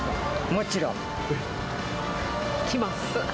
もちろん。来ます。